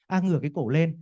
à ngửa cái cổ lên